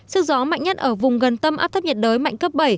sức gió mạnh nhất ở vùng gần tâm áp thấp nhiệt đới mạnh cấp bảy